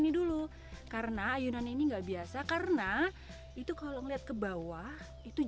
perbukitan jelinggo di kabupaten bantul juga naik daun